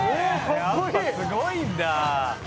やっぱすごいんだ」